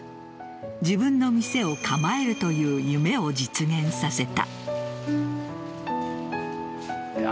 自分の店を構えるという夢を実現させた。